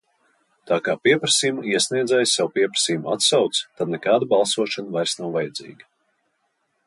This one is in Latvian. Tā kā pieprasījuma iesniedzēji savu pieprasījumu atsauc, tad nekāda balsošana vairs nav vajadzīga.